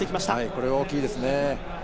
これは大きいですね。